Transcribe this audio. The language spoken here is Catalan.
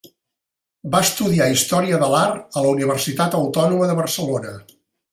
Va estudiar Història de l'Art a la Universitat Autònoma de Barcelona.